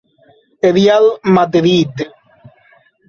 Real Madrid